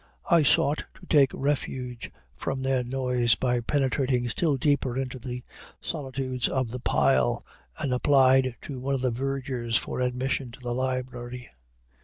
I sought to take refuge from their noise by penetrating still deeper into the solitudes of the pile, and applied to one of the vergers for admission to the library.